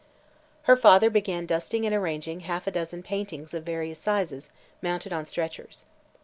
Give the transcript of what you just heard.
Her father began dusting and arranging half a dozen paintings of various sizes, mounted on stretchers.